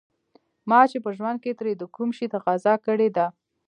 ما چې په ژوند کې ترې د کوم شي تقاضا کړې ده.